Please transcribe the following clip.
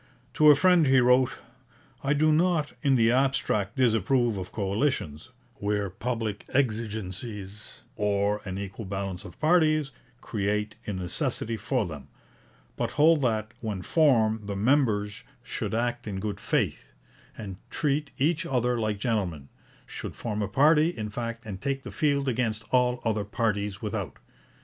To a friend he wrote: 'I do not in the abstract disapprove of coalitions, where public exigencies, or an equal balance of parties, create a necessity for them, but hold that, when formed, the members should act in good faith, and treat each other like gentlemen should form a party, in fact, and take the field against all other parties without.